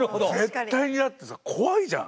絶対にだってさ怖いじゃん。